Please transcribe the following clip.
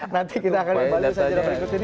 nanti kita akan berikut ini